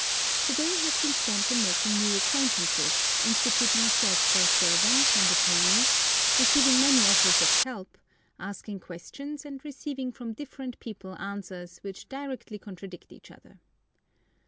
TO DAY has been spent in making new acquaintances, instituting a search for a servant and a pony, receiving many offers of help, asking questions and receiving from different people answers which directly contradict each other.